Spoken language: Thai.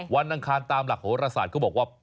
วันอังคารตามหลักโหระสาธิ์เขาบอกว่า